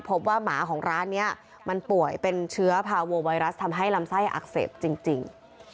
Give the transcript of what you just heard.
หมาของร้านนี้มันป่วยเป็นเชื้อพาโวไวรัสทำให้ลำไส้อักเสบจริง